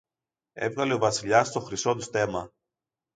Έβγαλε ο Βασιλιάς το χρυσό του στέμμα